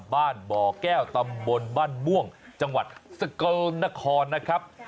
บ้านบแก้วตำบลบม่วงจังหวัดสเกิ้ลนะครนะครับ